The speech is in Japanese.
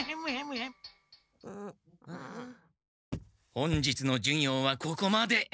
本日の授業はここまで。